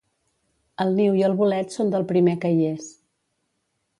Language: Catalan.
El niu i el bolet són del primer que hi és.